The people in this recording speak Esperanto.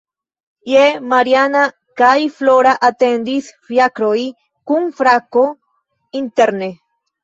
Je Mariana kaj Flora atendis ﬁakroj kun frako interne.